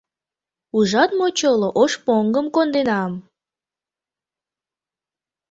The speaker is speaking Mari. ужат мочоло ош поҥгым конденам...»